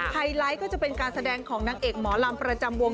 ไฮไลท์ก็จะเป็นการแสดงของนางเอกหมอลำประจำวง